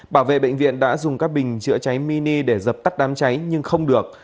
bảo vệ bệnh viện đã dùng các bình chữa cháy mini để dập tắt đám cháy nhưng không được